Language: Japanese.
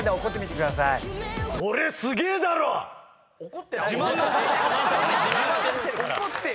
怒って。